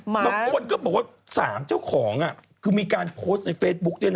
บางคนก็บอกว่า๓เจ้าของคือมีการโพสต์ในเฟซบุ๊กด้วยนะ